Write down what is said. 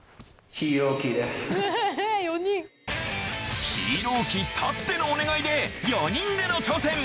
英雄希たってのお願いで４人での挑戦！